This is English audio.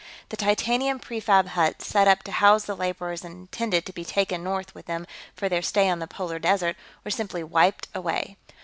The titanium prefab huts, set up to house the laborers and intended to be taken north with them for their stay on the polar desert, were simply wiped away.